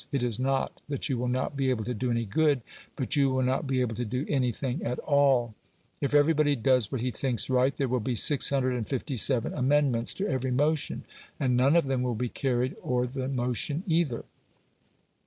It is not that you will not be able to do any good, but you will not be able to do anything at all. If everybody does what he thinks right, there will be 657 amendments to every motion, and none of them will be carried or the motion either.